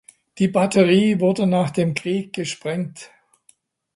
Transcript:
Die Batterie wurde nach dem Krieg gesprengt.